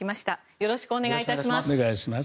よろしくお願いします。